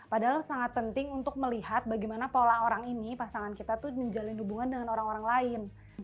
padahal sangat penting untuk melihat bagaimana pola orang ini pasangan kita tuh menjalin hubungan dengan orang orang lain